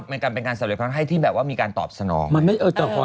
มันก็เป็นการสำเร็จความให้ที่มีการตอบสนอง